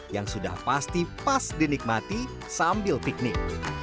yang sudah pasti pas dinikmati sambil piknik